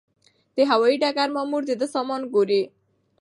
د هوايي ډګر مامور د ده سامان ګوري.